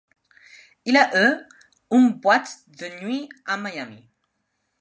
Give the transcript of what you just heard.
Il a eu une boîte de nuit à Miami.